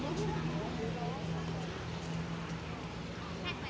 สวัสดีครับทุกคน